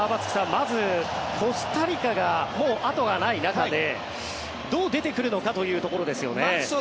まずコスタリカがもうあとがない中でどう出てくるのかというところですよね。